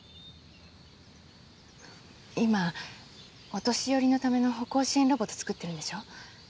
今お年寄りのための歩行支援ロボット作ってるんでしょ？